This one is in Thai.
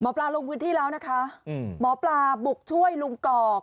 ปลาลงพื้นที่แล้วนะคะหมอปลาบุกช่วยลุงกอก